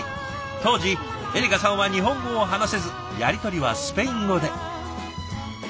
当時エリカさんは日本語を話せずやり取りはスペイン語で。